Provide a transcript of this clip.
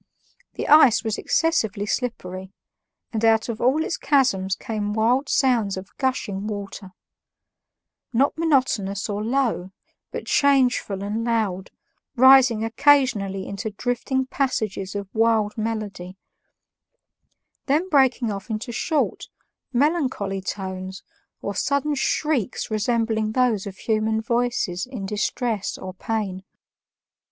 The ice was excessively slippery, and out of all its chasms came wild sounds of gushing water not monotonous or low, but changeful and loud, rising occasionally into drifting passages of wild melody, then breaking off into short, melancholy tones or sudden shrieks resembling those of human voices in distress or pain.